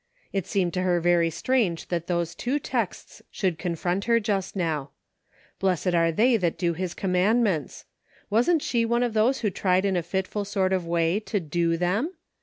It seemed to her very strange that those two texts should confront her just now. "Blessed are they that do His commandments." Wasn't she one of those who tried in a fitful sort of way to " do " them